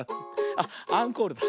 あっアンコールだ。